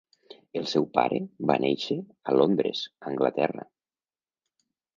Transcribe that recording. El seu pare va néixer a Londres, Anglaterra.